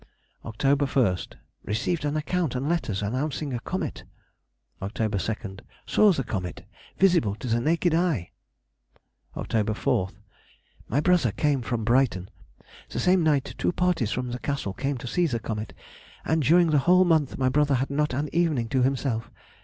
Oct. 1st.—Received an account and letters announcing a comet. Oct. 2nd.—Saw the comet, visible to the naked eye. Oct. 4th.—My brother came from Brighton. The same night two parties from the Castle came to see the comet, and during the whole month my brother had not an evening to himself.